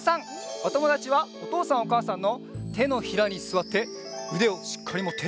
おともだちはおとうさんおかあさんのてのひらにすわってうでをしっかりもって。